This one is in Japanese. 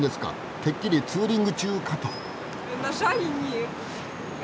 てっきりツーリング中かと。